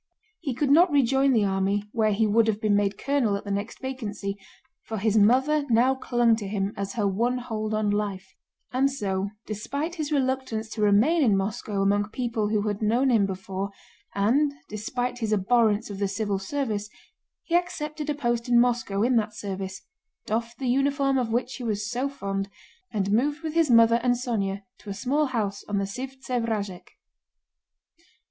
He could not rejoin the army where he would have been made colonel at the next vacancy, for his mother now clung to him as her one hold on life; and so despite his reluctance to remain in Moscow among people who had known him before, and despite his abhorrence of the civil service, he accepted a post in Moscow in that service, doffed the uniform of which he was so fond, and moved with his mother and Sónya to a small house on the Sívtsev Vrazhók.